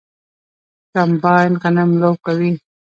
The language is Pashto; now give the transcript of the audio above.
کمباین غنم لو کوي.